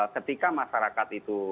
ketika masyarakat itu